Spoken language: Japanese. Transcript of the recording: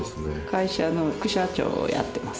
会社の副社長をやってます。